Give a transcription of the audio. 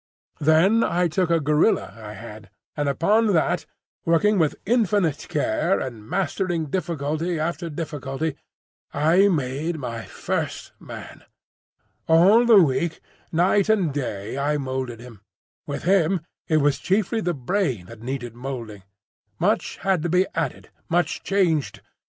"Then I took a gorilla I had; and upon that, working with infinite care and mastering difficulty after difficulty, I made my first man. All the week, night and day, I moulded him. With him it was chiefly the brain that needed moulding; much had to be added, much changed.